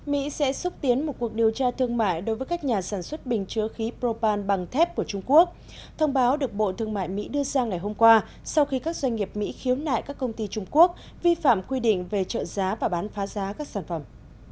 mỹ sẽ xúc tiến một cuộc điều tra thương mại đối với các nhà sản xuất bình chứa khí propal bằng thép của trung quốc thông báo được bộ thương mại mỹ đưa ra ngày hôm qua sau khi các doanh nghiệp mỹ khiếu nại các công ty trung quốc vi phạm quy định về trợ giá và bán phá giá các sản phẩm